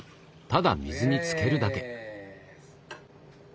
ただ水につけるだけ。